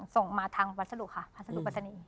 ส่งมาทางวัสดุค่ะพัสดุปรัชนี